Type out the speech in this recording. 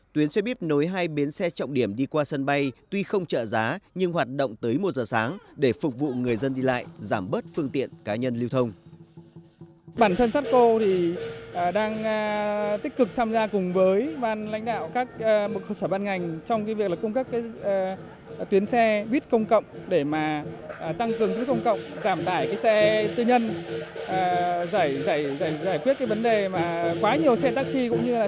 tuyến xe bíp nối hai bến xe trọng điểm đi qua sân bay tuy không trợ giá nhưng hoạt động tới một giờ sáng để phục vụ người dân đi lại giảm bớt phương tiện cá nhân lưu thông